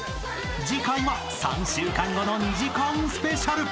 ［次回は３週間後の２時間スペシャル］